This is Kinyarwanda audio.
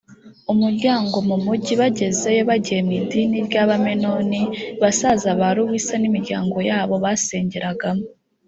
umuryango mu mugi bagezeyo bagiye mu idini ry abamenoni basaza ba luisa n imiryango yabo basengeragamo